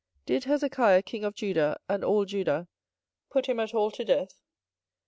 24:026:019 Did Hezekiah king of Judah and all Judah put him at all to death?